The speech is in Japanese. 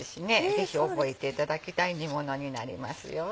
ぜひ覚えていただきたい煮ものになりますよ。